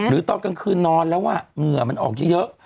ตอนกลางคืนนอนแล้วเหงื่อมันออกเยอะ